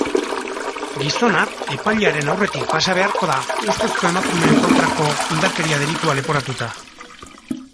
Gizona epailearen aurretik pasa beharko da, ustezko emakumeen kontrako indarkeria delitua leporatuta.